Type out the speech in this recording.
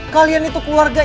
kalian itu keluarga ipb